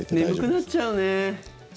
眠くなっちゃうね。